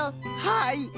はい。